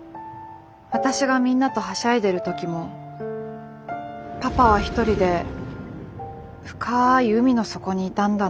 私がみんなとはしゃいでる時もパパは一人で深い海の底にいたんだなって。